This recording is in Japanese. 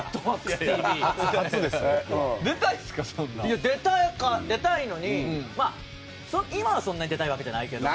いや出たいのにまあ今はそんなに出たいわけじゃないけど。